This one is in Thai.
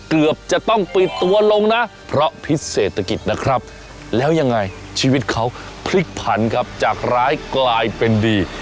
ไครครับแล้วยังไงชีวิตเขาผลิกผันครับจากร้ายกลายเป็นดี